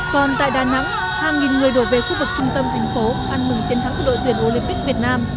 còn tại đà nẵng hàng nghìn người đổ về khu vực trung tâm thành phố ăn mừng chiến thắng của đội tuyển olympic việt nam